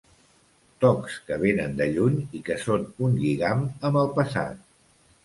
Tocs que venen de lluny i que són un lligam amb el passat.